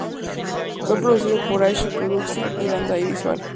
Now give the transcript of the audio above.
Fue producido por Ashi Productions y Bandai Visual.